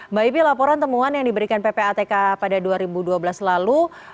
mbak ipi laporan temuan yang diberikan ppatk pada dua ribu dua belas lalu